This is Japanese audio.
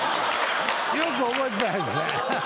よく覚えてないですね。